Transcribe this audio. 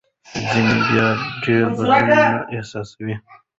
ځینې بیا ډېر بدلون نه احساسوي.